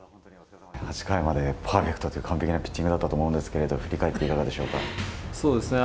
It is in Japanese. ８回までパーフェクトっていう完璧なピッチングだったと思うんですけど、振り返っていかがでしょうか。